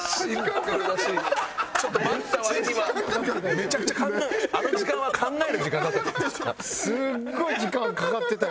めちゃくちゃあの時間は考える時間だったって事ですか？